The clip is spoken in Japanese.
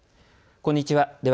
こんにちは。